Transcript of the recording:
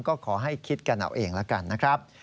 ก็ขอให้คิดกันเอาเองแล้วกันนะครับ